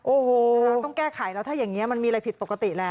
โอ้โหต้องแก้ไขแล้วถ้าอย่างนี้มันมีอะไรผิดปกติแล้ว